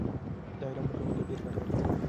دا علم به ټولنې ته ډېره ګټه ورسوي.